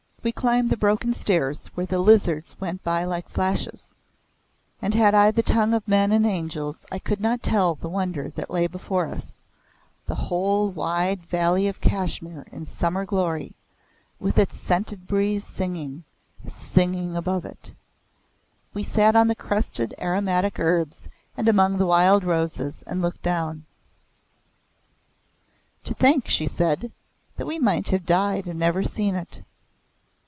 We climbed the broken stairs where the lizards went by like flashes, and had I the tongue of men and angels I could not tell the wonder that lay before us, the whole wide valley of Kashmir in summer glory, with its scented breeze singing, singing above it. We sat on the crushed aromatic herbs and among the wild roses and looked down. "To think," she said, "that we might have died and never seen it!"